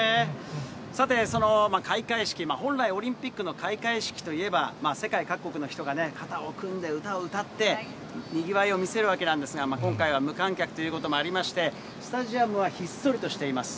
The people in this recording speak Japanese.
さて、その開会式、本来オリンピックの開会式といえば、世界各国の人が肩を組んで、歌を歌って、にぎわいを見せるわけなんですが、今回は無観客ということもありまして、スタジアムはひっそりとしています。